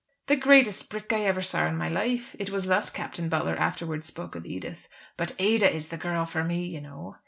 "The greatest brick I ever saw in my life!" it was thus Captain Butler afterwards spoke of Edith, "but Ada is the girl for me, you know."